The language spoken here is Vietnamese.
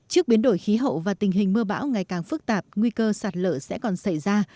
trước biến đổi khí hậu và tình hình mưa bão ngày càng phức tạp nguy cơ sạt lở sẽ còn xảy ra